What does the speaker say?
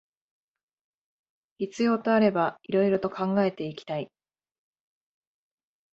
必要とあれば色々と考えていきたい